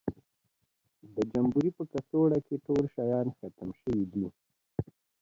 د جمبوري په کڅوړه کې ټول شیان ختم شوي دي.